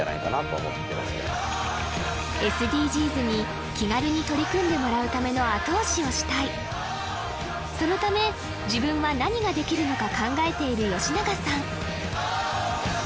ＳＤＧｓに気軽に取り組んでもらうための後押しをしたいそのため自分は何ができるのか考えている吉永さん